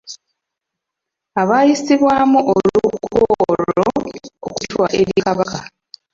Abaayisibwamu olukwe olwo okulutwala eri Kabaka.